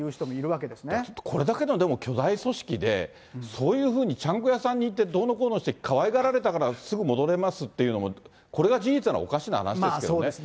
ちょっとこれだけの巨大組織で、そういうふうにちゃんこ屋さんに行って、どうのこうのしてかわいがられたからすぐ戻れますっていうのもこそうですね。